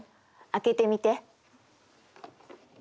開けてみて。